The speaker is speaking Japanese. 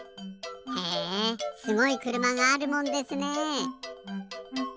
へえすごいくるまがあるもんですね。